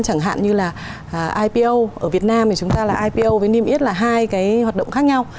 chẳng hạn như là ipo ở việt nam thì chúng ta là ipo với niêm yết là hai cái hoạt động khác nhau